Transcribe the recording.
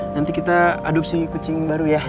nanti kita adopsi kucing baru ya